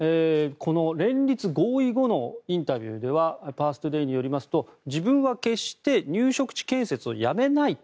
この連立合意後のインタビューではパーストゥデーによりますと自分は決して入植地建設をやめないと。